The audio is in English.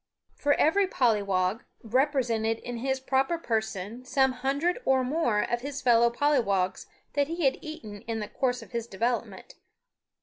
For every pollywog represented in his proper person some hundred or more of his fellow pollywogs that he had eaten in the course of his development.